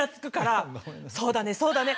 「そうだねそうだね」